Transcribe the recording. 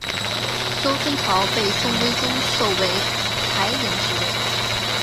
周春桃被宋徽宗授为才人之位。